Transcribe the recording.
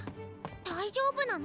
大丈夫なの？